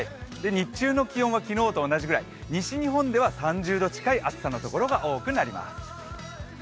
日中の気温は昨日と同じぐらい西日本では３０度近い暑さの所が多くなります。